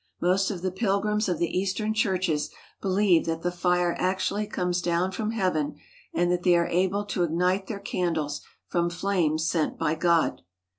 Most of the pilgrims of the Eastern churches believe that the fire actually comes down from heaven and that they are able to ignite their candles from flames sent by God.